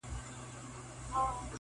هم دا سپی بولم جدا له نورو سپیانو,